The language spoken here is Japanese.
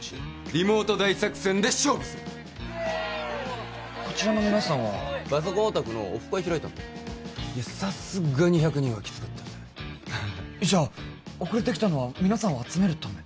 リモート大作戦で勝負するこちらの皆さんはパソコンオタクのオフ会開いたのさすがに１００人はきつかったぜじゃ遅れてきたのは皆さんを集めるため？